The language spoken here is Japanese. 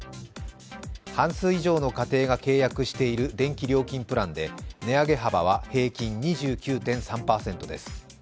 半数以上の家庭が契約している電気料金プランで値上げ幅は平均２９．３％です。